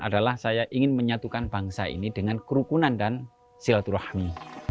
adalah saya ingin menyatukan bangsa ini dengan kerukunan dan silaturahmi